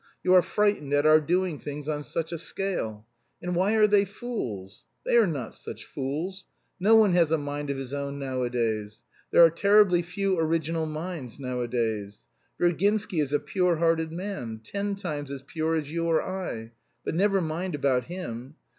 You are frightened at our doing things on such a scale. And why are they fools? They are not such fools. No one has a mind of his own nowadays. There are terribly few original minds nowadays. Virginsky is a pure hearted man, ten times as pure as you or I; but never mind about him.